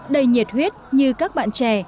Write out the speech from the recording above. đầy nhiệt huyết như các bạn trẻ